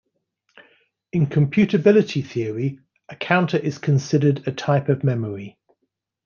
In computability theory, a counter is considered a type of memory.